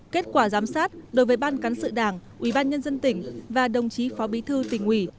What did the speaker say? kết quả giám sát đối với ban cán sự đảng ủy ban nhân dân tỉnh và đồng chí phó bí thư tỉnh ủy